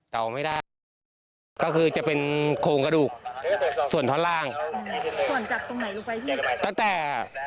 ตอบไม่ได้